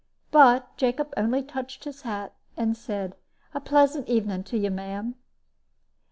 But Jacob only touched his hat, and said, "A pleasant evening to you, ma'am."